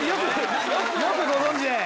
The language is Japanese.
よくご存じで。